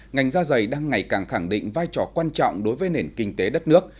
ngành da dày đang ngày càng khẳng định vai trò quan trọng đối với nền kinh tế đất nước